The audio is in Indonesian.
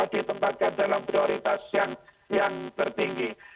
ditempatkan dalam prioritas yang tertinggi